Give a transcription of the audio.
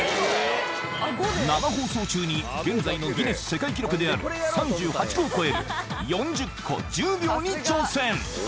生放送中に現在のギネス世界記録である３８個を超える４０個１０秒に挑戦